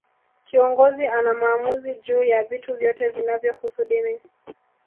Kiongozi ana maamuzi juu ya vitu vyote vinavyohusu dini